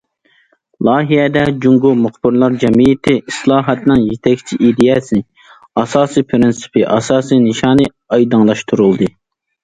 « لايىھە» دە جۇڭگو مۇخبىرلار جەمئىيىتى ئىسلاھاتىنىڭ يېتەكچى ئىدىيەسى، ئاساسىي پىرىنسىپى، ئاساسىي نىشانى ئايدىڭلاشتۇرۇلدى.